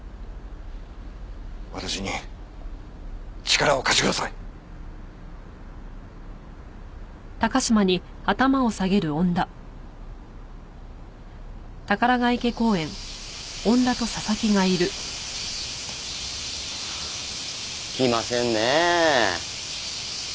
私に力を貸してください！来ませんねえ。